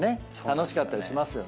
楽しかったりしますよね。